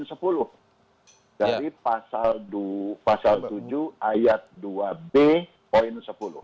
jadi pasal tujuh ayat dua b poin sepuluh